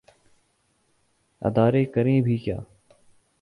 ادارے کریں بھی کیا۔